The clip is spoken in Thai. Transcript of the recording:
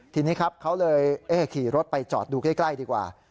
ทีนี้ครับเขาเลยขี่รถไปจอดดูใกล้ดีกว่า